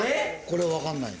これわかんない。